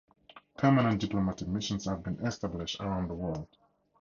Permanent diplomatic missions have been established around the world.